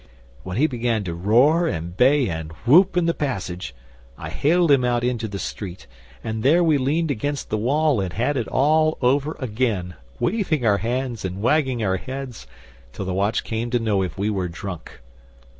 'When he began to roar and bay and whoop in the passage, I haled him out into the street, and there we leaned against the wall and had it all over again waving our hands and wagging our heads till the watch came to know if we were drunk.